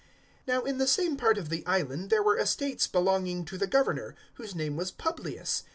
028:007 Now in the same part of the island there were estates belonging to the Governor, whose name was Publius.